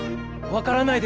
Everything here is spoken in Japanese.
分からない